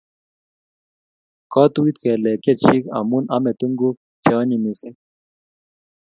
kotuit kelek chechik amun ame tunguk che anyiny mising